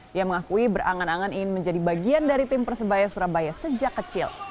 dia mengakui berangan angan ingin menjadi bagian dari tim persebaya surabaya sejak kecil